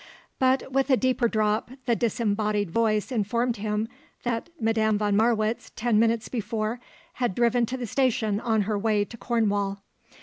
But, with a deeper drop, the disembodied voice informed him that Madame von Marwitz, ten minutes before, had driven to the station on her way to Cornwall.